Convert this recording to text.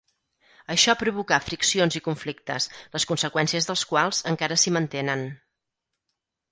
Això provocà friccions i conflictes, les conseqüències dels quals encara s'hi mantenen.